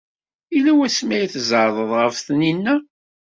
Yella wasmi ay tzeɛḍeḍ ɣef Taninna?